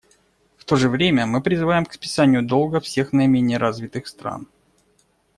В то же время мы призываем к списанию долга всех наименее развитых стран.